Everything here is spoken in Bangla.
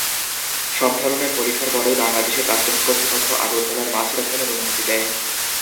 সব ধরনের পরীক্ষার পরই বাংলাদেশের কাস্টমস কর্তৃপক্ষ আগরতলায় মাছ রপ্তানির অনুমতি দেয়।